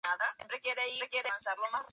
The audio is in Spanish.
Come insectos, crustáceos y gusanos.